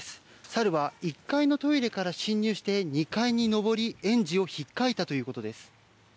サルは１階のトイレから侵入して２階に上り、園児を引っかいたということです。